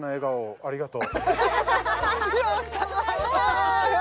ありがとう！